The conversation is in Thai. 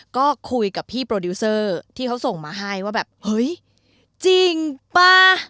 ก็คุยกับพี่โปรดิวเซอร์ที่เขาส่งมาให้ว่าแบบเฮ้ยจริงป่ะ